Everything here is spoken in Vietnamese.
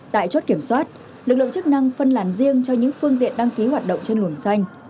tại chốt kiểm soát lực lượng chức năng phân làn riêng cho những phương tiện đăng ký hoạt động trên luồng xanh